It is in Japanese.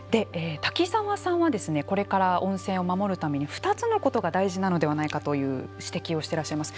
滝沢さんはこれから温泉を守るために２つのことが大事なのではないかという指摘をしていらっしゃいます。